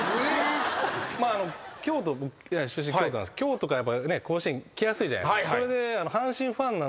出身京都なんですけど京都から甲子園来やすいじゃないですか。